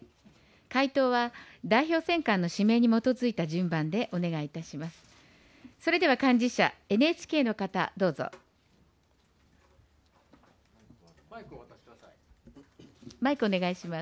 回答は代表選管の指名に基づいた順番でお願いいたします。